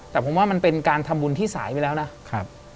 แต่ผมว่ามันเป็นการทำบุญที่สายไปแล้วนะครับ